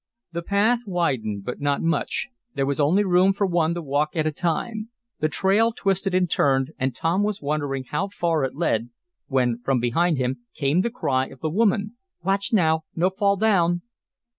The path widened, but not much. There was only room for one to walk at a time. The trail twisted and turned, and Tom was wondering how far it led, when, from behind him, came the cry of the woman: "Watch now no fall down."